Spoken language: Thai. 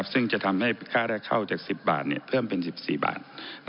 ซึ่งจะทำให้ค่าแรกเข้าจาก๑๐บาทเพิ่มเป็น๑๔บาท